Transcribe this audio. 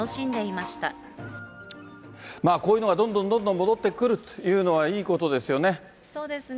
まあこういうのはどんどんどんどん戻ってくるというのはいいそうですね。